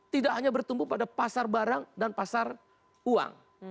tidak hanya bertumbuh pada pasar barang dan pasar uang